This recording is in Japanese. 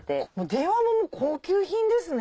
電話も高級品ですね。